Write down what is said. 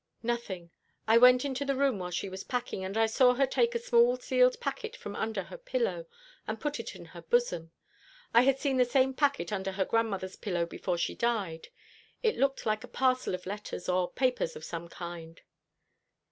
"Nothing. I went into the room while she was packing, and I saw her take a small sealed packet from under her pillow, and put it in her bosom. I had seen the same packet under her grandmother's pillow before she died. It looked like a parcel of letters or papers of some kind."